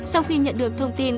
sau khi nhận được thông tin